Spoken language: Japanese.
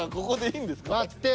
待って。